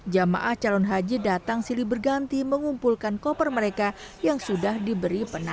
jamaah calon haji datang silih berganti mengumpulkan koper mereka yang sudah diberi penanda